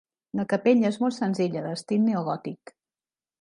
La capella és molt senzilla d'estil neogòtic.